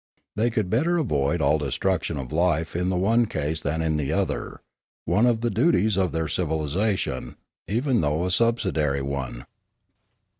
They could better avoid all destruction of life in the one case than in the other,— one of the duties of their civilisation, even though a subsidiary one.